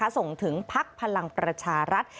ส่งถึงพักพลังประชารัฐ